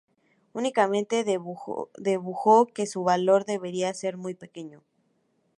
Únicamente dedujo que su valor debería ser muy pequeño.